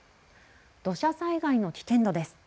土砂災害の危険度です。